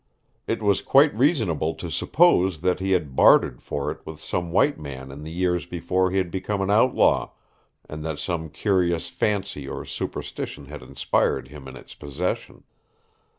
It was quite reasonable to suppose that he had bartered for it with some white man in the years before he had become an outlaw, and that some curious fancy or superstition had inspired him in its possession.